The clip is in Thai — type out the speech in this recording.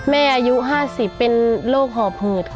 แม่อายุ๕๐เป็นโรคหอบหืด